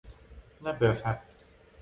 น่าเบื่อสัส